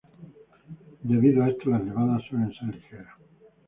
Debido a esto las nevadas suelen ser ligeras.